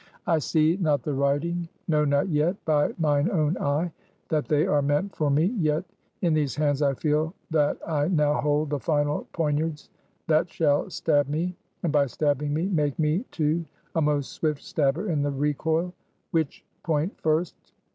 "I see not the writing; know not yet, by mine own eye, that they are meant for me; yet, in these hands I feel that I now hold the final poniards that shall stab me; and by stabbing me, make me too a most swift stabber in the recoil. Which point first?